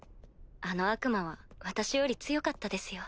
あの悪魔は私より強かったですよ。